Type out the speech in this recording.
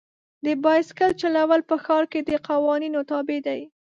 د بایسکل چلول په ښار کې د قوانین تابع دي.